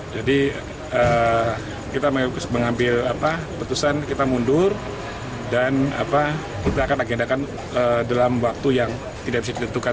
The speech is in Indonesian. jadi kita mengambil keputusan kita mundur dan kita akan agendakan dalam waktu yang tidak bisa ditentukan